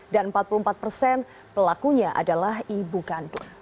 dan empat puluh empat persen pelakunya adalah ibu kantor